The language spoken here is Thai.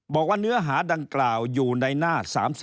บอกว่าเนื้อหาดังกล่าวอยู่ในหน้า๓๔